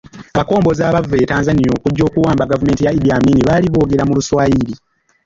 Abakombozi abaava e Tanzania okujja okuwamba gavumenti ya Iddi Amin baali boogera mu Luswayiri.